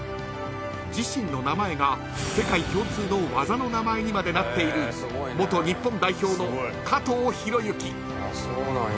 ［自身の名前が世界共通の技の名前にまでなっている元日本代表の加藤裕之］